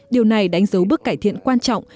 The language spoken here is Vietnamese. điều này đánh dấu bước cải thiện quan trọng